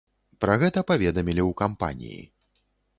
Пра гэта паведамілі ў кампаніі.